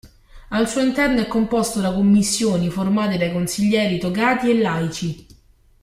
Al suo interno è composto da Commissioni, formate dai Consiglieri togati e laici.